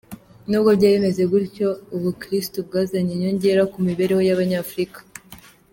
N’ubwo byari bimeze bityo, ubukirisitu bwazanye inyongera ku mibereho y’ abanyafurika.